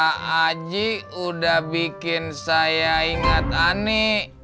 pak aji udah bikin saya inget ani